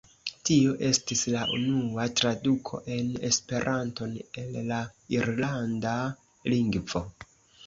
Tio estis la unua traduko en Esperanton el la irlanda lingvo.